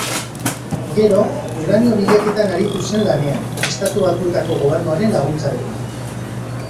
Gero, uranio-bilaketan aritu zen lanean, Estatu Batuetako Gobernuaren laguntzarekin.